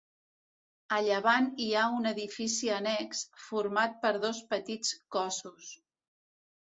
A llevant hi ha un edifici annex, format per dos petits cossos.